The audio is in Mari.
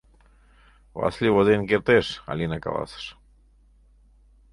— Васлий возен кертеш, — Алина каласыш.